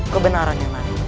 kebenaran yang lain